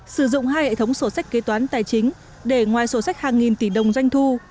sử dụng hai hệ thống sổ sách kế toán tài chính để ngoài sổ sách hàng nghìn tỷ đồng doanh thu